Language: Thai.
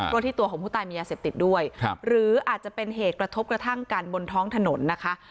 ว่าที่ตัวของผู้ตายมียาเสพติดด้วยหรืออาจจะเป็นเหตุกระทบกระทั่งกันบนท้องถนนนะคะ